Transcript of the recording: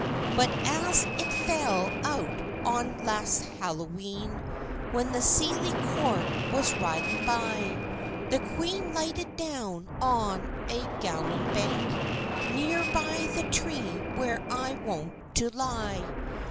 But as it fell out on last Hallow e'en, When the seely court was ridin' by, The queen lighted down on a gowan bank, Near by the tree where I wont to lye.